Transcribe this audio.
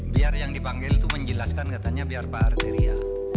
biar yang dipanggil itu menjelaskan katanya biar pak arteria